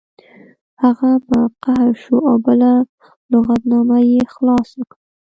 هغه په قهر شو او بله لغتنامه یې خلاصه کړه